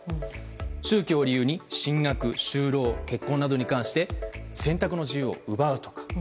宗教を理由に進学、就労、結婚などに関して選択の自由を奪うとか。